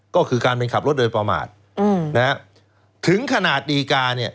ก็คือการเป็นขับรถโดยประมาทนะฮะถึงขนาดดีการเนี่ย